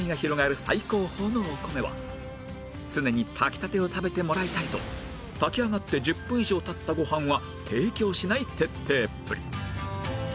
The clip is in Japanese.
最高峰のお米は常に炊きたてを食べてもらいたいと炊き上がって１０分以上経ったご飯は提供しない徹底っぷり